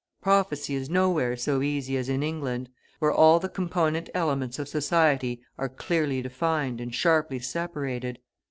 Prophecy is nowhere so easy as in England, where all the component elements of society are clearly defined and sharply separated.